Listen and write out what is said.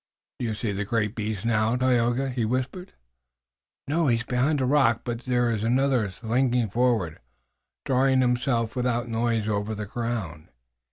"Do you see the great beast now, Tayoga?" he whispered. "No, he is behind a rock, but there is another slinking forward, drawing himself without noise over the ground.